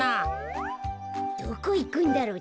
どこいくんだろう？